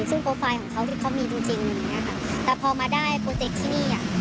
ซึ่งโปรไฟล์ของเขาที่เขามีจริงนะคะแต่พอมาได้โปรเจกต์ที่นี่อะ